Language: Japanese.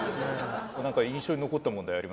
何か印象に残った問題ありました？